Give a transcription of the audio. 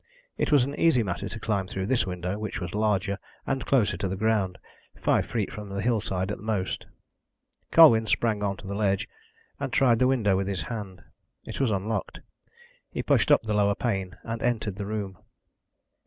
It was an easy matter to climb through this window, which was larger, and closer to the ground five feet from the hillside, at the most. Colwyn sprang on to the ledge, and tried the window with his hand. It was unlocked. He pushed up the lower pane, and entered the room.